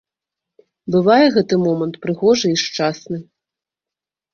Бывае гэты момант прыгожы і шчасны.